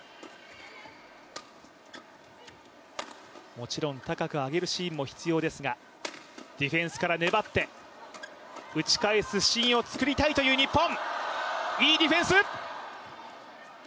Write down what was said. もちろん高く上げるシーンも必要ですがディフェンスから粘って打ち返すシーンを作りたい日本。